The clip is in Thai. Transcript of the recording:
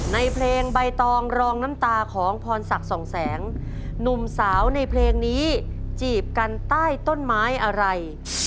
ในเพลงใบตองรองน้ำตาของพรศักดิ์สองแสงหนุ่มสาวในเพลงนี้จีบกันใต้ต้นไม้อะไร